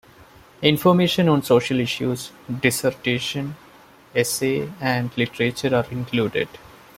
Information on social issues, dissertation, essay and literature are included.